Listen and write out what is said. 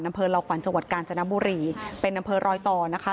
น้ำเพิร์นเหล่าขวัญจังหวัดกาญจนบุรีเป็นน้ำเพิร์นรอยต่อนะคะ